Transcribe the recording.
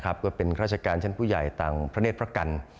ว่าเป็นราชการชั้นผู้ใหญ่ต่างพระเนธพระกัน